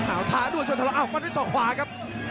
อ้าวทางดวงช่วงภาษาออกให้โฟกไปฟ้าครับ